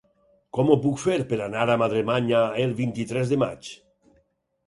Com ho puc fer per anar a Madremanya el vint-i-tres de maig?